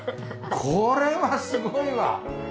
これはすごいわ。